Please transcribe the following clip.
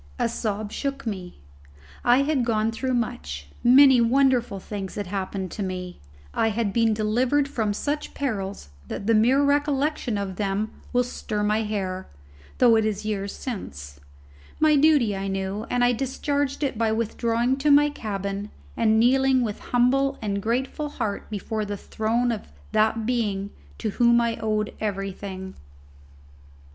A sob shook me: I had gone through much: many wonderful things had happened to me: I had been delivered from such perils that the mere recollection of them will stir my hair, though it is years since; my duty I knew, and I discharged it by withdrawing to my cabin and kneeling with humble and grateful heart before the throne of that Being to whom I owed everything.